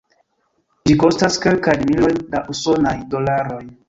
Ĝi kostas kelkajn milojn da usonaj dolaroj.